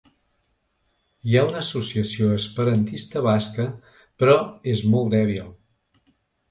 I hi ha una associació esperantista basca, però és molt dèbil.